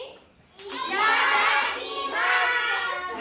いただきます！